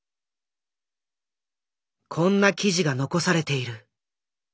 こんな記事が残されている。